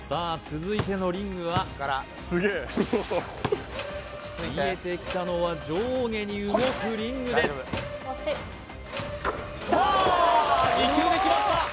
続いてのリングは見えてきたのは上下に動くリングですきたー